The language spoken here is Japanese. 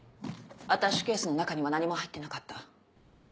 アタッシュケースの中には何も入ってなかった。